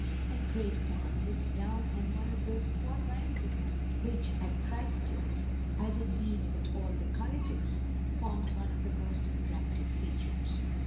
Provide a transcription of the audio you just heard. And Great Tom looks down on one of those quadrangles which at Christ Church, as indeed at all the colleges, forms one of the most attractive features.